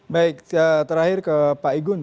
baik terakhir ke pak igun